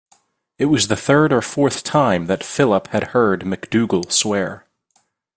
It was the third or fourth time that Philip had heard MacDougall swear.